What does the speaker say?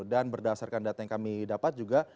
dan berdasarkan data yang kami dapat juga